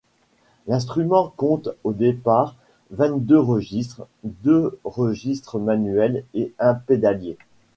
L'instrument compte au départ vingt-deux registres, deux registres manuels et un pédalier.